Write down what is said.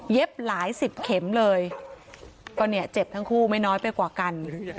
หลายสิบเข็มเลยก็เนี่ยเจ็บทั้งคู่ไม่น้อยไปกว่ากัน